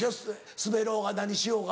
スベろうが何しようが。